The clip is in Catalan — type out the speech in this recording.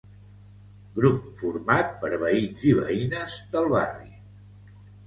Grup format per veïns i veïnes del barri.